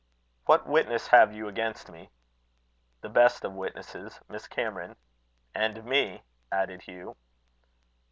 "What witness have you against me?" "The best of witnesses Miss Cameron." "And me," added Hugh.